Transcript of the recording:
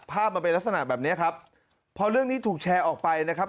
มันเป็นลักษณะแบบเนี้ยครับพอเรื่องนี้ถูกแชร์ออกไปนะครับ